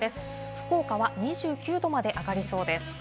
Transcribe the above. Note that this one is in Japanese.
福岡は２９度まで上がりそうです。